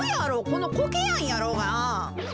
このコケヤンやろうが。